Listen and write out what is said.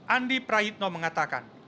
andi prahitno mengatakan